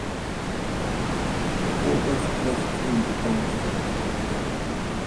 The four best placed teams advanced to the playoff round.